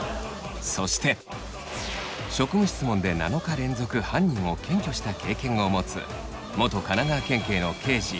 そして職務質問で７日連続犯人を検挙した経験を持つ元神奈川県警の刑事